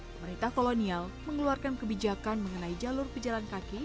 pemerintah kolonial mengeluarkan kebijakan mengenai jalur pejalanan